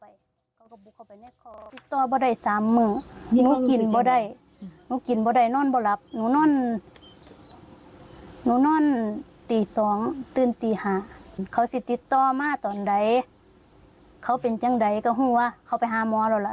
อีกคนต้องแบบว่าเค้าสิจถึกจุดสำคั้นล่ะ